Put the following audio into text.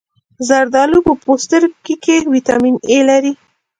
زردالو په پوستکي کې ویټامین A لري.